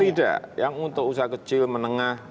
tidak yang untuk usaha kecil menengah